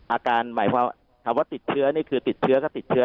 อาการหมายความว่าติดเชื้อนี่คือติดเชื้อก็ติดเชื้อ